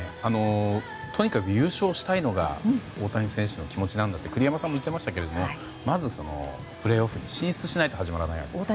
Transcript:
とにかく優勝したいのが大谷選手の気持ちなんだと栗山さんも言っていましたけどもまず、プレーオフに進出しないと始まらないんですよね。